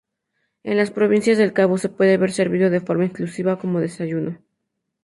En las provincias del cabo se puede ver servido de forma exclusiva como desayuno.